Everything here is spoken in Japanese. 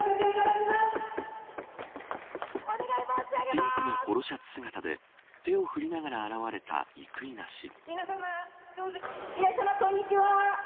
ピンクのポロシャツ姿で手を振りながら現れた生稲氏。